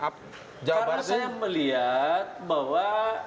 karena saya melihat bahwa